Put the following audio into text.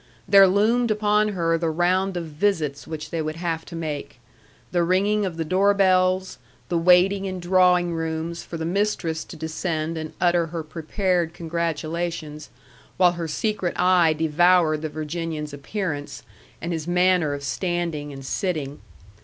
There loomed upon her the round of visits which they would have to make. The ringing of the door bells, the waiting in drawing rooms for the mistress to descend and utter her prepared congratulations, while her secret eye devoured the Virginian's appearance, and his manner of standing and sitting.